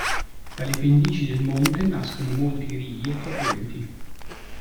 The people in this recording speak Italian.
Dalle pendici del monte nascono molti rii e torrenti.